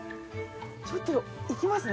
ちょっと行きますね。